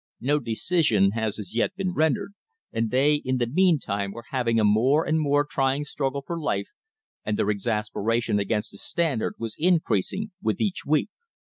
No decision had as yet been rendered, and they in the meantime were having a more and more trying struggle for life, and their exasperation against the Standard was increas ing with each week.